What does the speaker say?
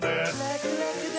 ラクラクだ！